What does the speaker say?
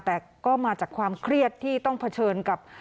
แต่ก็มาจากความเครียดที่ต้องเผชิญกับ